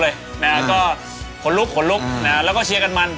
เต็มหมดเลยแล้วก็ขนลุกแล้วก็เชียร์กันมัน